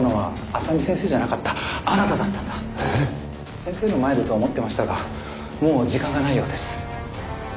先生の前でと思ってましたがもう時間がないようです。